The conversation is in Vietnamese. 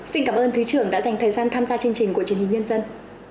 xin cảm ơn thứ trưởng đã dành thời gian tham gia chương trình của truyền hình nhân dân